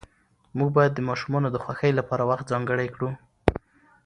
موږ باید د ماشومانو د خوښۍ لپاره وخت ځانګړی کړو